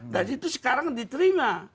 dan itu sekarang diterima